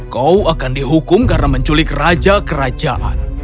kau akan dihukum karena menculik raja kerajaan